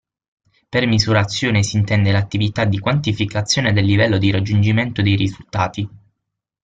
Per misurazione si intende l'attività di quantificazione del livello di raggiungimento dei risultati.